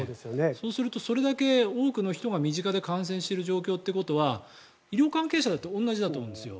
そうするとそれだけ多くの人が身近で感染している状況ということは医療関係者だって同じだと思うんですよ。